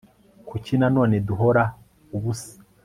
kuki nanone duhora ubusa